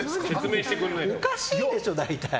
おかしいでしょ、大体。